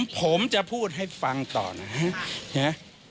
ผมจะพูดให้ฟังต่อนะฮะ